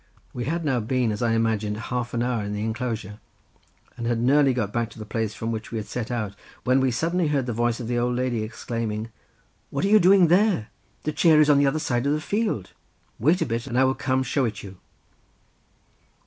We had now been, as I imagined, half an hour in the enclosure, and had nearly got back to the place from which we had set out, when we suddenly heard the voice of the old lady exclaiming, "What are ye doing there?—the chair is on the other side of the field; wait a bit, and I will come and show it you."